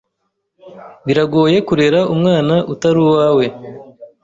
Biragoye kurera umwana utari uwawe.